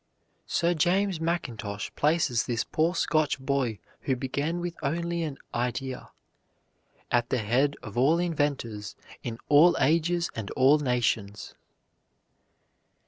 Sir James Mackintosh places this poor Scotch boy who began with only an idea "at the head of all inventors in all ages and all nations."